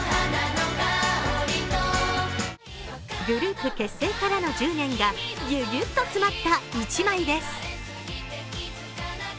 グループ結成からの１０年がぎゅぎゅっと詰まった一枚です。